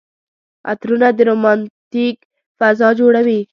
عطرونه د رومانتيک فضا جوړوي.